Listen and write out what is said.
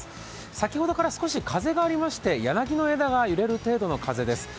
先ほどから少し風がありまして柳の枝が揺れる程度の風です。